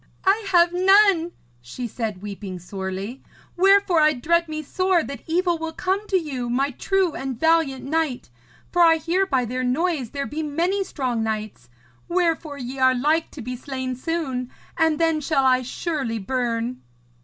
'I have none,' she said, weeping sorely, 'wherefore I dread me sore that evil will come to you, my true and valiant knight, for I hear by their noise there be many strong knights, wherefore ye are like to be slain soon, and then shall I surely burn.'